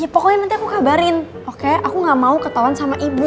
pokoknya nanti aku kabarin oke aku gak mau ketahuan sama ibu